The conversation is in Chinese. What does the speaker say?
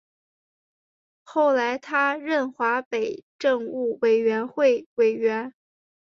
后来他任华北政务委员会委员。